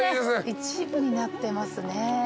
一部になってますね。